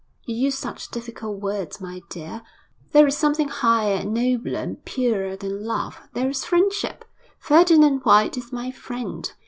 'You use such difficult words, my dear.' 'There is something higher and nobler and purer than love there is friendship. Ferdinand White is my friend.